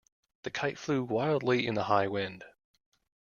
The kite flew wildly in the high wind.